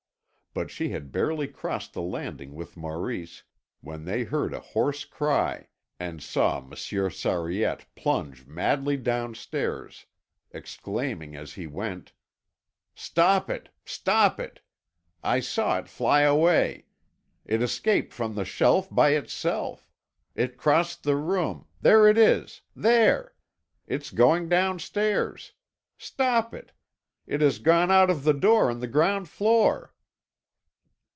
But she had barely crossed the landing with Maurice when they heard a hoarse cry and saw Monsieur Sariette plunge madly downstairs, exclaiming as he went: "Stop it, stop it; I saw it fly away! It escaped from the shelf by itself. It crossed the room ... there it is there! It's going downstairs. Stop it! It has gone out of the door on the ground floor!"